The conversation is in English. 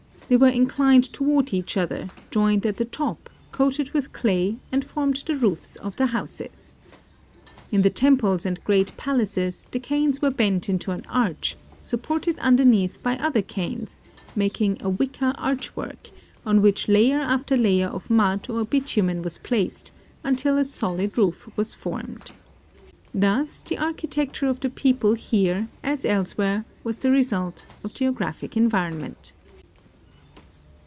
They were inclined toward each other, joined at the top, coated with clay, and formed the roofs of the houses. In the temples and great palaces the canes were bent into an arch, supported underneath by otiier canes, makinor ^ wicker arch work, on which layer after layer of mud 172 THE EFFECTS OF GEOGRAPHIC ENVIRONMENT or bitumen was placed, until a solid roof was formed. Thus the architecture of the people here as elsewhere was the result of geographic environment.